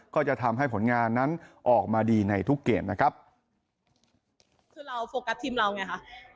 ก็จะทำให้ผลงานนั้นออกมาดีในทุกเกมนะครับคือเราโฟกัสทีมเราไงค่ะ